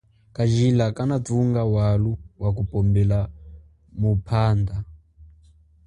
Kajila kanathunga walo waku pombela muphanda.